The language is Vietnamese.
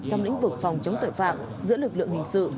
trong lĩnh vực phòng chống tội phạm giữa lực lượng hình sự